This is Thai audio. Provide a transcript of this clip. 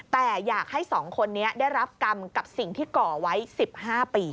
แต่อยากให้๒คนนี้ได้รับกรรมกับสิ่งที่ก่อไว้๑๕ปี